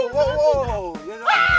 woah woah woah